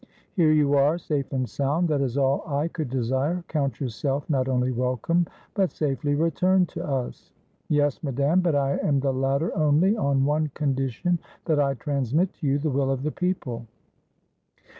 Here you are safe and sound, — that is all I could desire; count your self not only welcome, but safely returned to us." "Yes, Madame; but I am the latter only on one condition, — that I transmit to you the will of the people."